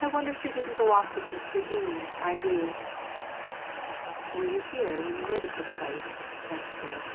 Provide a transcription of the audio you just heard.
I wonder she didn't go off with Mr. Dean, I do/' *Were you here when the murder took place?" asked Gebb.